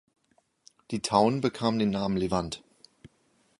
Die Town bekam den Namen Levant.